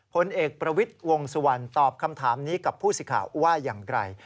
ผลเอกประวิทย์วงสุวรรณตอบคำถามนี้กับผู้สิทธิ์ข่าวว่าอย่างไร